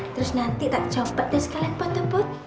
terus nanti tak copot terus kalian foto foto